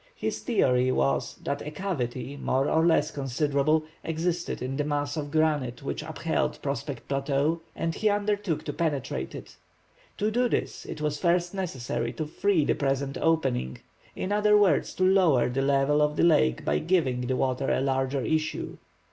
His theory was, that a cavity, more or less considerable, existed in the mass of granite which upheld Prospect Plateau, and he undertook to penetrate to it. To do this, it was first necessary to free the present opening, in other words to lower the level of the lake by giving the water a larger issue.